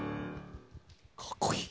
かっこいい。